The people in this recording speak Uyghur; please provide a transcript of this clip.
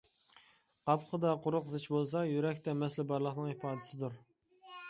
قاپىقىدا قورۇق زىچ بولسا، يۈرەكتە مەسىلە بارلىقىنىڭ ئىپادىسىدۇر.